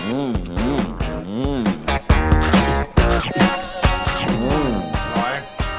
อืมน้อย